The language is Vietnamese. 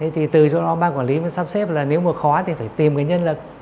thì từ chỗ đó ban quản lý mới sắp xếp là nếu mà khó thì phải tìm cái nhân lực